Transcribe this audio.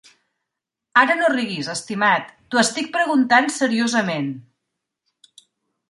Ara no riguis, estimat, t'ho estic preguntat seriosament.